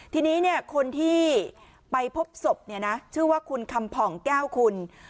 ทีนี้คนที่ไปพบศพชื่อว่าคุณคำผ่องแก้วคุณ